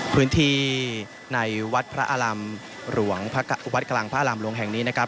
พื้นที่ในวัดพระอารามหลวงวัดกลางพระอารามหลวงแห่งนี้นะครับ